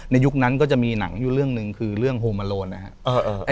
ยุคนั้นก็จะมีหนังอยู่เรื่องหนึ่งคือเรื่องโฮมาโลนนะครับ